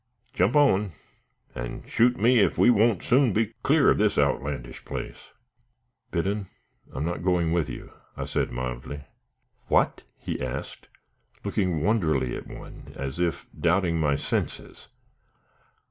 "Jump on, and shoot me ef we won't soon be clar of this outlandish place." "Biddon, I am not going with you," I said, mildly. "What?" he asked, looking wonderingly at one, as if doubting my senses.